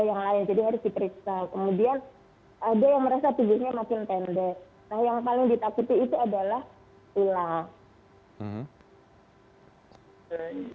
yang ditikai kemudian ada yang merasa tubuhnya makin pendek yang paling ditakuti itu adalah tulang